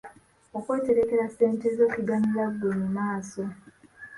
Okweterekera ssente zo kiganyula ggwe mu maaso.